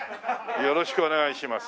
よろしくお願いします。